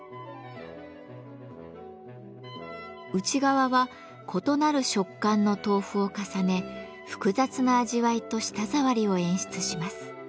内側は異なる食感の豆腐を重ね複雑な味わいと舌触りを演出します。